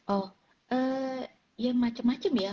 oh ya macem macem ya